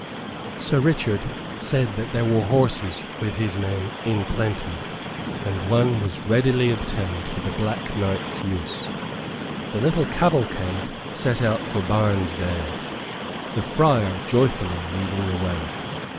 Sir Richard said that there were horses with his men in plenty; and one was readily obtained for the Black Knight's use. The little cavalcade set out for Barnesdale, the friar joyfully leading the way.